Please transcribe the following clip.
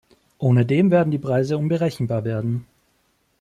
Ohne dem werden die Preise unberechenbar werden.